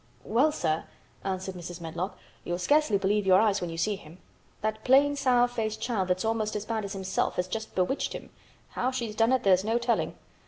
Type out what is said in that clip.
"Well, sir," answered Mrs. Medlock, "you'll scarcely believe your eyes when you see him. That plain sour faced child that's almost as bad as himself has just bewitched him. How she's done it there's no telling.